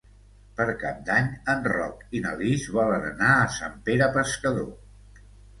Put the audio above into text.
Per Cap d'Any en Roc i na Lis volen anar a Sant Pere Pescador.